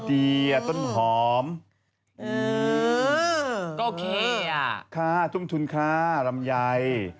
ดีเจมส์ต้นหอมก็โอเคอ่ะค่ะทุ่มทุนค่ะลำไย